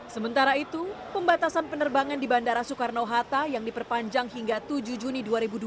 sementara itu pembatasan penerbangan di bandara soekarno hatta yang diperpanjang hingga tujuh juni dua ribu dua puluh